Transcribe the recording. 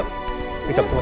terima kasih loh